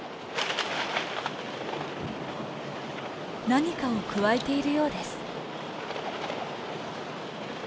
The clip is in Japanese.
何かをくわえているようです。